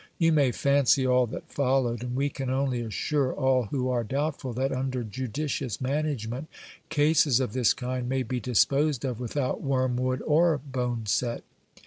You may fancy all that followed; and we can only assure all who are doubtful, that, under judicious management, cases of this kind may be disposed of without wormwood or boneset.